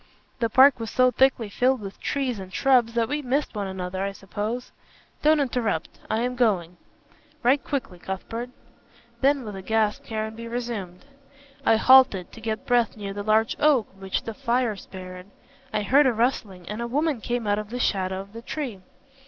"The park was so thickly filled with trees and shrubs that we missed one another I suppose. Don't interrupt I am going. Write quickly, Cuthbert." Then with a gasp Caranby resumed: "I halted to get breath near the large oak which the fire spared. I heard a rustling, and a woman came out of the shadow of the tree.